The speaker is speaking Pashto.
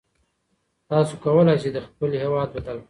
تاسو کولای شئ خپل هېواد بدل کړئ.